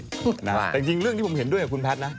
แต่จริงเรื่องที่ผมเห็นด้วยกับคุณแพทย์นะ